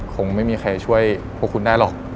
คงไม่มีใครช่วยพวกคุณได้หรอก